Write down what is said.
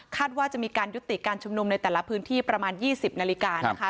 ว่าจะมีการยุติการชุมนุมในแต่ละพื้นที่ประมาณ๒๐นาฬิกานะคะ